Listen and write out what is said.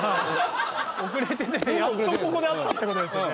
遅れて出てやっとここで合ったってことですよね？